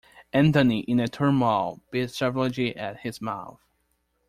Anthony in a turmoil bit savagely at his mouth.